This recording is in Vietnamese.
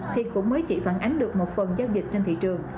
thì cũng mới chỉ phản ánh được một phần giao dịch trên thị trường